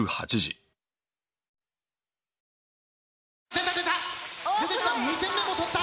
出た出た！